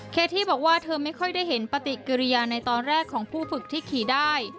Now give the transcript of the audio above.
ที่บอกว่าเธอไม่ค่อยได้เห็นปฏิกิริยาในตอนแรกของผู้ฝึกที่ขี่ได้